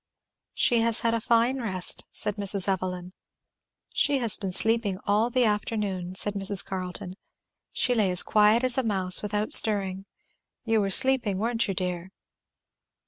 "She has had a fine rest," said Mrs. Evelyn. "She has been sleeping all the afternoon," said Mrs. Carleton, "she lay as quiet as a mouse, without stirring; you were sleeping, weren't you, dear?"